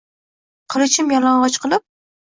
Qilichin yalang‘och qilib